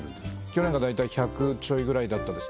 去年が大体１００ちょいぐらいだったです